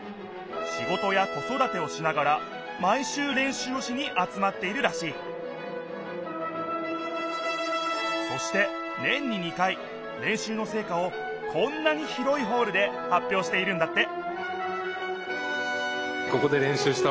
仕事や子そだてをしながら毎週練習をしに集まっているらしいそして年に２回練習のせいかをこんなに広いホールではっぴょうしているんだって